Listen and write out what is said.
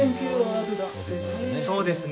そうですね。